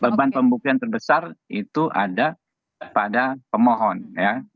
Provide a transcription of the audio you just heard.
beban pembuktian terbesar itu ada pada pemohon ya